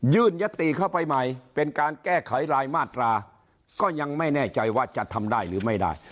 ยติเข้าไปใหม่เป็นการแก้ไขรายมาตราก็ยังไม่แน่ใจว่าจะทำได้หรือไม่ได้